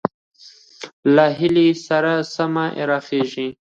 له هيلې سره سمې راخېژي،